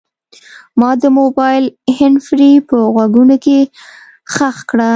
ما د موبایل هینډفري په غوږونو کې ښخه کړه.